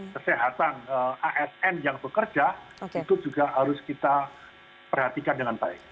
kesehatan asn yang bekerja itu juga harus kita perhatikan dengan baik